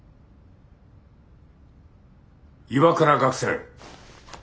岩倉学生。